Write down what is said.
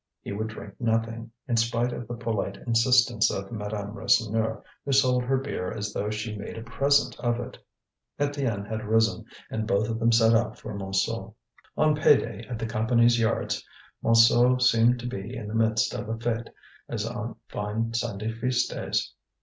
He would drink nothing, in spite of the polite insistence of Madame Rasseneur, who sold her beer as though she made a present of it. Étienne had risen, and both of them set out for Montsou. On pay day at the Company's Yards, Montsou seemed to be in the midst of a fete as on fine Sunday feast days.